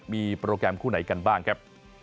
มีโปรแกรมคู่ไหนกันบ้างครับ